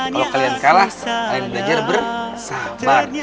kalau kalian kalah kalian belajar bersabar